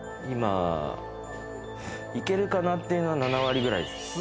今いけるかなっていうのが７割くらいです。